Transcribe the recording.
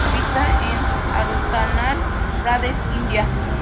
Habita en Arunachal Pradesh, India.